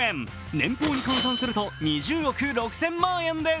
年俸に換算すると２０億６０００万円です。